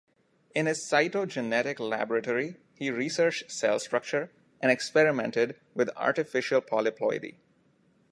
In his cytogenetic laboratory, he researched cell structure and experimented with artificial polyploidy.